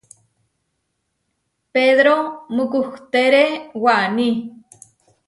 Pedro mukuhtére waní.